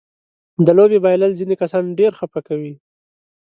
د لوبې بایلل ځينې کسان ډېر خپه کوي.